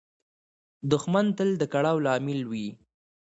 دښمن تل د کړاو لامل وي